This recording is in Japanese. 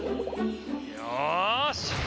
よし！